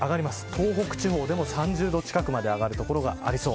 東北地方でも３０度近くまで上がる所がありそう。